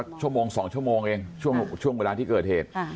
ชั่วโมง๒ชั่วโมงเองช่วงเวลาที่เกิดเหตุ